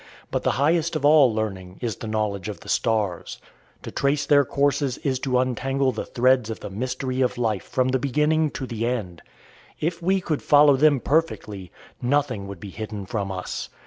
But the highest of all learning is the knowledge of the stars. To trace their courses is to untangle the threads of the mystery of life from the beginning to the end. If we could follow them perfectly, nothing would be hidden from us.